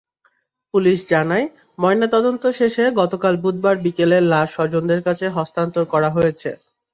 Police জানায়, ময়নাতদন্ত শেষে গতকাল বুধবার বিকেলে লাশ স্বজনদের কাছে হস্তান্তর করা হয়েছে।